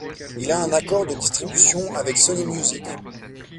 Il a un accord de distribution avec Sony Music.